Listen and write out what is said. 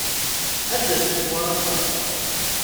Ad d-tasem imuras-a?